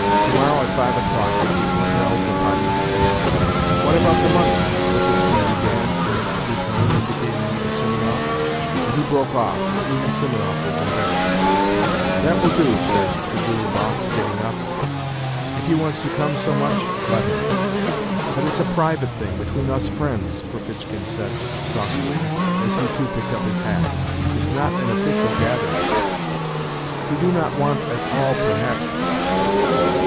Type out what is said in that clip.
" To morrow at five o'clock at the Hotel de Paris." " What about the money? " Fetfitchkin began in an under tone, indicating me to Simonov, but he broke off, for even Simonov was embarrassed. " That will do," said Trudolyubov, getting up. " If he wants to come so much, let him." " But it's a private thing, between us friends," Ferfitchkin said crossly, as he, too, picked up his hat. " It's not an official gathering." " We do not want at all, perhaps